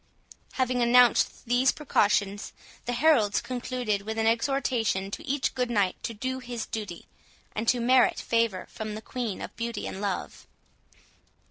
Having announced these precautions, the heralds concluded with an exhortation to each good knight to do his duty, and to merit favour from the Queen of Beauty and of Love.